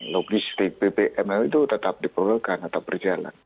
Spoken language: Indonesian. logis di bbml itu tetap diperlukan atau berjalan